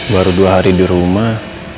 baru dua hari di rumah